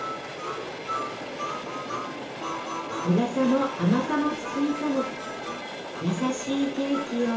苦さも甘さも包み込む優しいケーキをお楽しみあれ。